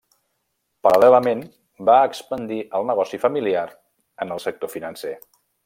Paral·lelament, va expandir el negoci familiar en el sector financer.